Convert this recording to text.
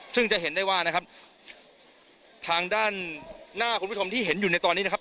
ซึ่งจะเห็นได้ว่านะครับทางด้านหน้าคุณผู้ชมที่เห็นอยู่ในตอนนี้นะครับ